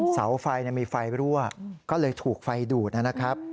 เสาไฟมีไฟรั่วก็เลยถูกไฟดูดนะครับ